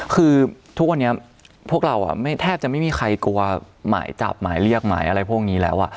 คือทุกวันนี้พวกเราแทบจะไม่มีใครกลัวหมายจับหมายเรียกหมายอะไรพวกนี้แล้ว